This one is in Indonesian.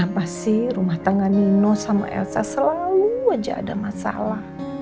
apa sih rumah tangga nino sama elsa selalu aja ada masalah